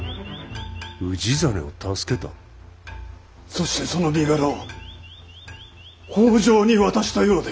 そしてその身柄を北条に渡したようで。